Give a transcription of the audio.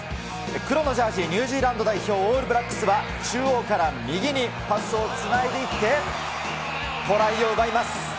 黒のジャージ、ニュージーランド代表、オールブラックスは、中央から右にパスをつないでいって、トライを奪います。